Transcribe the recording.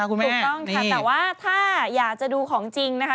ถูกต้องค่ะแต่ว่าถ้าอยากจะดูของจริงนะคะ